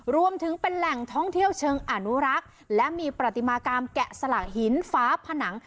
รวมถึงเป็นแหล่งท่องเที่ยวเชิงอนุรักษ์และมีประติมากรรมแกะสลักหินฟ้าผนัง